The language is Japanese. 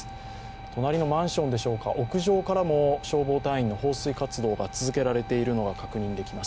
隣のマンションでしょうか、屋上からも消防隊の放水活動が続けられているのが確認できます。